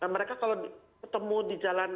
mereka kalau ketemu di jalan